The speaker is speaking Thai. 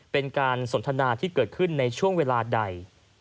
เป็นการสนทนาที่เกิดขึ้นในช่วงเวลาใด